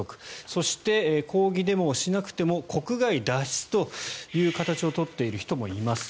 そして、抗議デモをしなくても国外脱出という形を取っている人もいます。